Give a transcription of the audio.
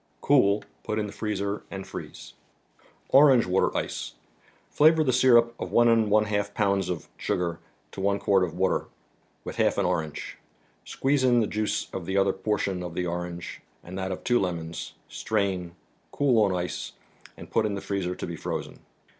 Cool, put in the freezer, and freeze. flDrauge mater 9Jce. Fla y orth ? syrup (of one " and one half pounds of sugar to one quart of water), with half an orange. Squeeze in the juice of the other portion of the orange and that of two lemons, strain, cool on ice, and put in the freezer to be frozen.